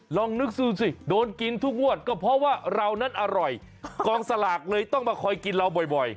ลองนึกดูสิโดนกินทุกงวดก็เพราะว่าเรานั้นอร่อยกองสลากเลยต้องมาคอยกินเราบ่อย